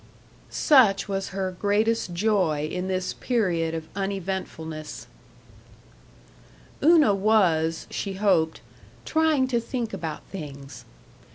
Such was her greatest joy in this period of uneventfulness. § 5 Una was, she hoped, "trying to think about things."